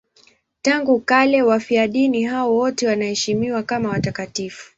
Tangu kale wafiadini hao wote wanaheshimiwa kama watakatifu.